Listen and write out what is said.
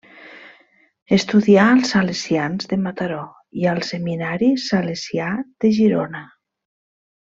Estudià als Salesians de Mataró i al Seminari Salesià de Girona.